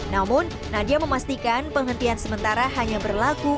namun nadia memastikan penghentian sementara hanya berlaku